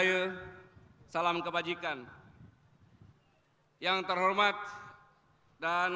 yang kami hormati